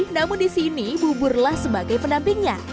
namun di sini buburlah sebagai pendampingnya